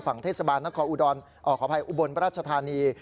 ฝั่งเทศบาลนักคออุบรรณรัชธานี